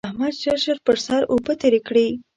احمد ژر ژر پر سر اوبه تېرې کړې.